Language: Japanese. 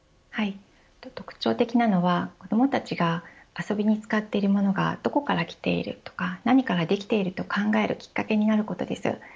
特徴的なのは、子どもたちが遊びに使っているものがどこからきているとか何からできているかと考えるきっかけになることです。